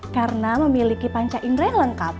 karena memiliki panca indre lengkap